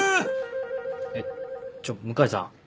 えちょ向井さん？